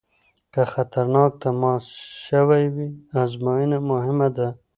که خطرناک تماس شوی وي ازموینه مهمه ده.